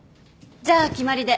じゃあ決まりで。